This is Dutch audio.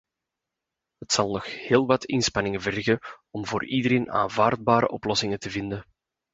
Het zal nog heel wat inspanningen vergen om voor iedereen aanvaardbare oplossingen te vinden.